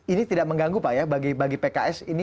ini tidak mengganggu pak ya bagi pks ini